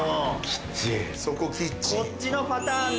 キッチン。